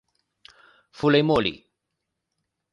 弗雷默里。